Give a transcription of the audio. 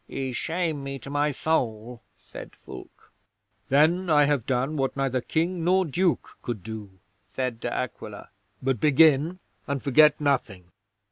'"Ye shame me to my soul," said Fulke. '"Then I have done what neither King nor Duke could do," said De Aquila. "But begin, and forget nothing."